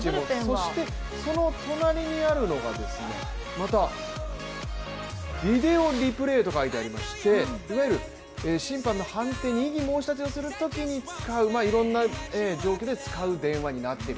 そしてその隣りにあるのがビデオリプレイと書いてありまして、いわゆる審判の判定に異議申し立てをするとき、いろんな状況で使う電話になっている。